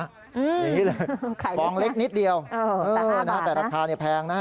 อย่างนี้เลยฟองเล็กนิดเดียวแต่ราคาแพงนะฮะโอ้แต่๕บาทนะ